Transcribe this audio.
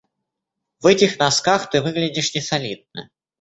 В этих носках ты выглядишь несолидно.